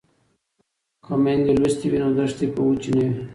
که میندې لوستې وي نو دښتې به وچې نه وي.